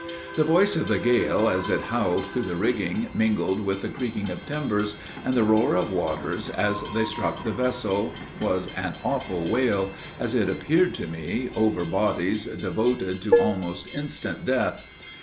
The voice of the gale as it howled through the rigging, mingled with the creaking of timbers, and the roar of waters as they struck the vessel, was an awful wail, as it appeared to me, over bodies devoted to almost instant death.